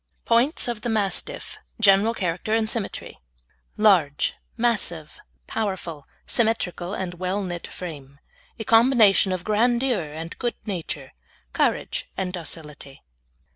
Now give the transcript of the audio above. POINTS OF THE MASTIFF: GENERAL CHARACTER AND SYMMETRY Large, massive, powerful, symmetrical and well knit frame. A combination of grandeur and good nature, courage and docility.